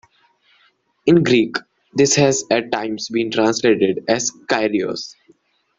In Greek, this has at times been translated as "Kyrios".